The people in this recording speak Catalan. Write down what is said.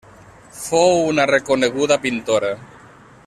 Fou una reconeguda pintora.